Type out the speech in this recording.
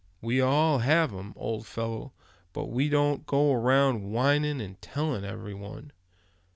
We all have 'em, old fellow; but we don't go around whinin', and tellin' every one.